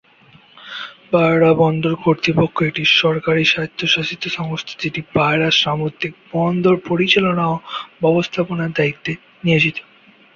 পায়রা বন্দর কর্তৃপক্ষ একটি সরকারি স্বায়ত্তশাসিত সংস্থা যেটি পায়রা সামুদ্রিক বন্দর পরিচালনা ও ব্যবস্থাপনার দায়িত্বে নিয়োজিত।